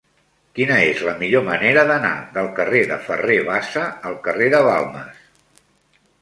Quina és la millor manera d'anar del carrer de Ferrer Bassa al carrer de Balmes?